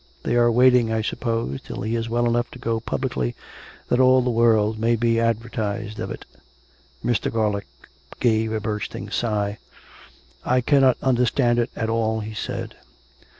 They are waiting, I suppose, till he is well enough to go publicly, that all the world may be advertised of it !" Mr. Garlick gave a bursting sigh. " I cannot understand it at all," he said.